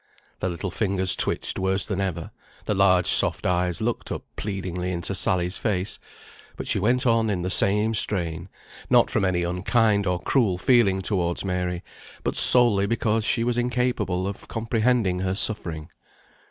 The little fingers twitched worse than ever; the large soft eyes looked up pleadingly into Sally's face; but she went on in the same strain, not from any unkind or cruel feeling towards Mary, but solely because she was incapable of comprehending her suffering.